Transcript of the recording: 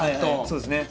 そうですね。